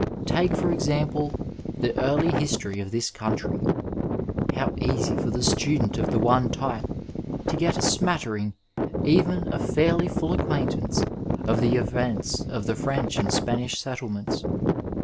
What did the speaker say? Take, for example, the early history of this coimtry — ^how easy for the student of the one type to get a smattering, even a fairly full acquaintance with the events of the French and Spanish settlements.